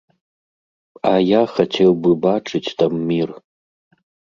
А я хацеў бы бачыць там мір.